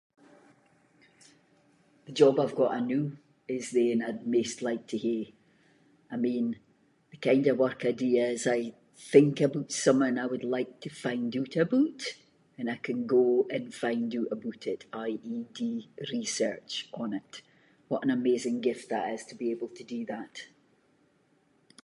The job I’ve got anoo is the ain I’d maist like to hae. I mean, the kind of work I do is, I think aboot something I would like to find oot aboot and I can go and find oot aboot it, i.e. do research on it. What an amazing gift that is to be able to do that.